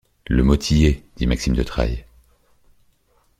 Le mot y est, dit Maxime de Trailles.